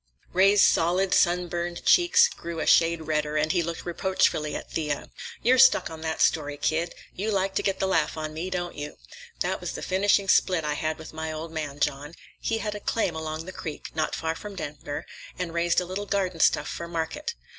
Ray's solid, sunburned cheeks grew a shade redder, and he looked reproachfully at Thea. "You're stuck on that story, kid. You like to get the laugh on me, don't you? That was the finishing split I had with my old man, John. He had a claim along the creek, not far from Denver, and raised a little garden stuff for market.